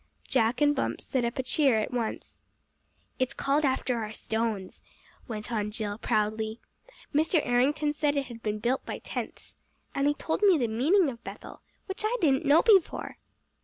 Jack and Bumps set up a cheer at once. "It's called after our stones," went on Jill proudly. "Mr. Errington said it had been built by tenths. And he told me the meaning of Bethel, which I didn't know before."